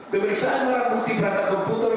pemeriksaan barang bukti perangkat komputer